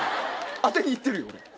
当てに行ってるよ俺。